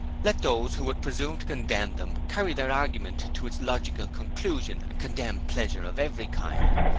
Let those who would presume to condemn them carry their argument to its logical conclusion and condemn pleasure of every kind.